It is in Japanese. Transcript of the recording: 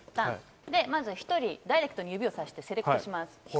タン、タン、まずは１人、ダイレクトに指をさしてセレクトします。